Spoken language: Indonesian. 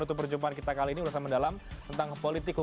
terima kasih banyak pak egy